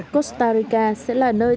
costa rica sẽ là nơi